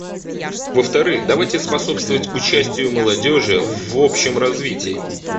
Во-вторых, давайте способствовать участию молодежи в общем развитии.